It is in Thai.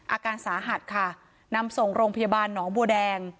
อาการสาหัสค่ะนำส่งโรงพยาบาลหนองบัวแดง